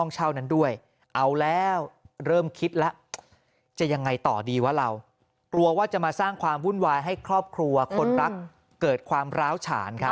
จะยังไงต่อดีวะเรากลัวว่าจะมาสร้างความวุ่นวายให้ครอบครัวคนรักเกิดความร้าวฉานครับ